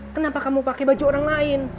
kenapa kamu pakai baju orang lain